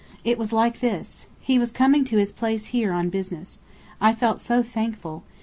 It was like this: He was coming to his place here on business. I felt so thankful.